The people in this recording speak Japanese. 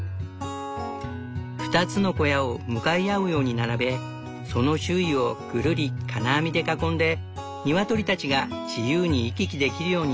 ２つの小屋を向かい合うように並べその周囲をぐるり金網で囲んでニワトリたちが自由に行き来できるようにした。